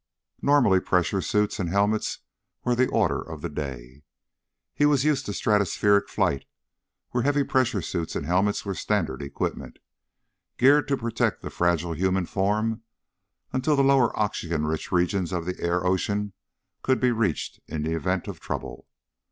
Normally pressure suits and helmets were the order of the day. He was used to stratospheric flight where heavy pressure suits and helmets were standard equipment; gear to protect the fragile human form until the lower oxygen rich regions of the air ocean could be reached in event of trouble.